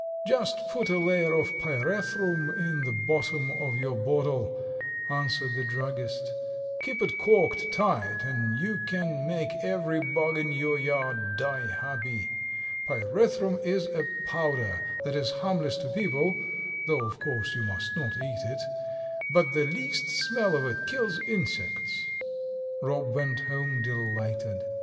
"Just put a layer of pyrethrum in the bottom of your bottle," answered the druggist, "keep it corked tight, and you can make every bug in your yard die happy. Pyrethrum is a powder that is harmless to people (though of course you must not eat it), but the least smell of it kills insects." Rob went home delighted.